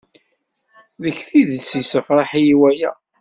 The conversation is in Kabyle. Deg tidet, yessefṛeḥ-iyi waya.